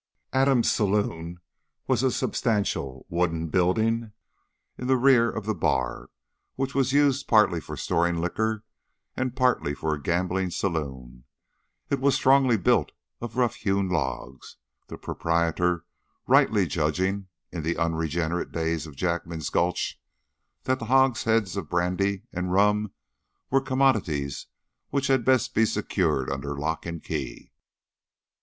Adams' saloon was a substantial wooden building in the rear of the bar, which was used partly for storing liquor and partly for a gambling saloon. It was strongly built of rough hewn logs, the proprietor rightly judging, in the unregenerate days of Jackman's Gulch, that hogsheads of brandy and rum were commodities which had best be secured under lock and key.